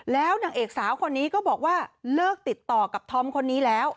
แล้วนางเอกสาวคนนี้ก็บอกว่าเลิกติดต่อกับธอมคนนี้แล้ว